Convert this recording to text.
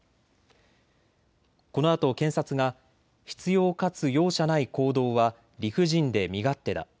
このあと検察が、執ようかつ容赦ない行動は理不尽で身勝手だ。